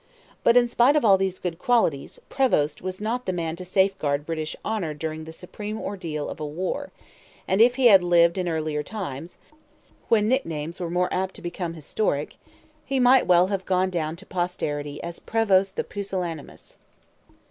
But, in spite of all these good qualities, Prevost was not the man to safeguard British honour during the supreme ordeal of a war; and if he had lived in earlier times, when nicknames were more apt to become historic, he might well have gone down to posterity as Prevost the Pusillanimous.